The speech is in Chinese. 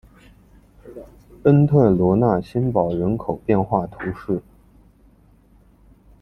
恩特罗讷新堡人口变化图示